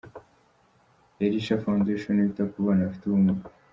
Elisha Foundation wita ku bana bafite ubumuga .